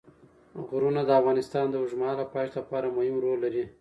غرونه د افغانستان د اوږدمهاله پایښت لپاره مهم رول لري.